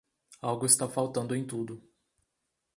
Algo está faltando em tudo.